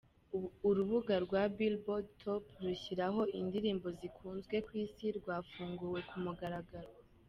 Urubuga rwa Billboard Top , rushyira ho indirimbo zikunzwe ku isi rwafunguwe ku mugaragaro.